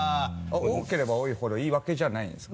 多ければ多いほどいいわけじゃないんですか？